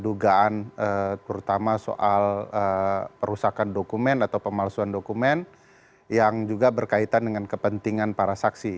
dugaan terutama soal perusakan dokumen atau pemalsuan dokumen yang juga berkaitan dengan kepentingan para saksi